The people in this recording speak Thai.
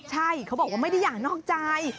ใช่เขาบอกว่าไม่ได้อยากนอกใจ